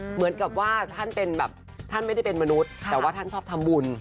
เหมือนกับว่าท่านเป็นแบบท่านไม่ได้เป็นมนุษย์แต่ว่าท่านชอบทำบุญ